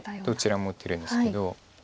どちらも打てるんですけど。